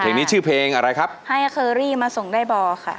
ทีนี้ชื่อเพลงอะไรครับให้คิ้งมาส่งได้บอลล์ค่ะ